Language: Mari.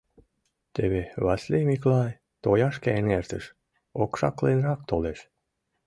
Теве Васлий Миклай, тояшке эҥертыш, окшакленрак толеш.